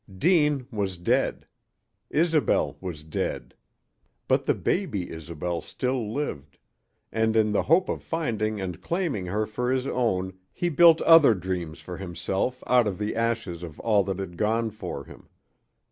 Deane was dead. Isobel was dead. But the baby Isobel still lived; and in the hope of finding and claiming her for his own he built other dreams for himself out of the ashes of all that had gone for him.